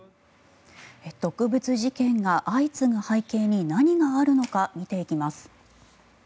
毒物事件が相次ぐ背景に何があるのか見ていきます。